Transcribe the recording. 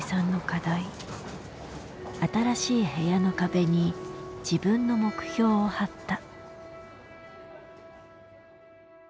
新しい部屋の壁に自分の目標を貼った。